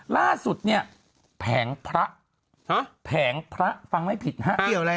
ล่าสุดเนี่ยแผงพระแผงพระฟังไม่ผิดฮะ